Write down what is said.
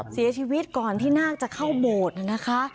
เสียชีวิตก่อนที่นาคจะเข้าโบสถ์นะคะ